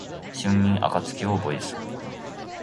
春眠暁を覚えず